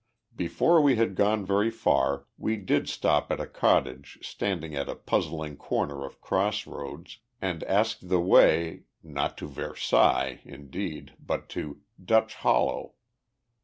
Before we had gone very far, we did stop at a cottage standing at a puzzling corner of cross roads, and asked the way, not to Versailles, indeed, but to Dutch Hollow.